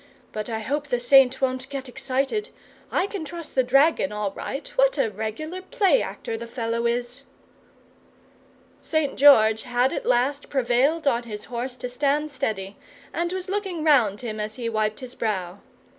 But I hope the Saint won't get excited. I can trust the dragon all right. What a regular play actor the fellow is!" St. George had at last prevailed on his horse to stand steady, and was looking round him as he wiped his brow.